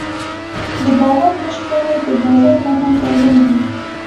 د باور نشتوالی د بازار له منځه وړل دي.